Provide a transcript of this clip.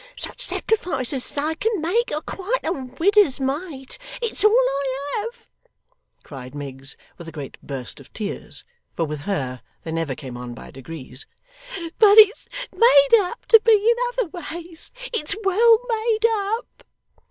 Such sacrifices as I can make, are quite a widder's mite. It's all I have,' cried Miggs with a great burst of tears for with her they never came on by degrees 'but it's made up to me in other ways; it's well made up.